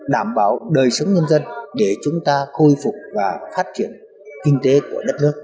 đảm bảo đời sống nhân dân để chúng ta khôi phục và phát triển kinh tế của đất nước